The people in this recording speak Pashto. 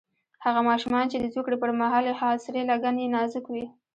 هغه ماشومان چې د زوکړې پر مهال یې خاصرې لګن یې نازک وي.